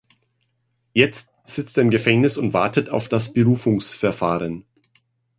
Jetzt sitzt er im Gefängnis und wartet auf das Berufungsverfahren.